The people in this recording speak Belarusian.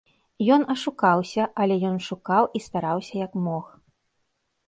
Ён ашукаўся, але ён шукаў і стараўся як мог.